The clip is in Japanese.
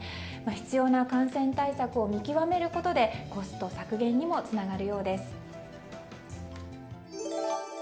必要な感染対策を見極めることでコスト削減にもつながるようです。